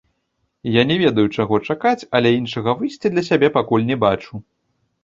Я не ведаю, чаго чакаць, але іншага выйсця для сябе пакуль не бачу.